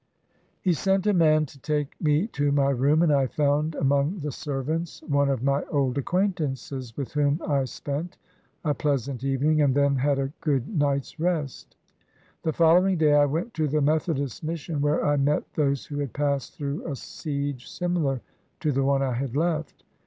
243 CHINA He sent a man to take me to my room, and I found among the servants one of my old acquaintances, with whom I spent a pleasant evening, and then had a good night's rest. The following day I went to the Methodist Mission, where I met those who had passed through a siege similar to the one I had left.